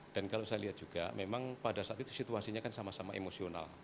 kalau saya lihat juga memang pada saat itu situasinya kan sama sama emosional